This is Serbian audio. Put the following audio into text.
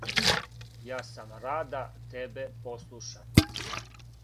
Ја сам рада тебе послушати,